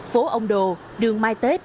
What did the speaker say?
phố ông đồ đường mai tết